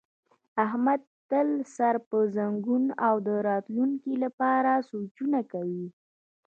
احمد تل سر په زنګون او د راتونکي لپاره سوچونه کوي.